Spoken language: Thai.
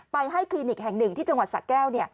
ไปให้คลินิกแห่งหนึ่งที่จังหวัดสะแก้ว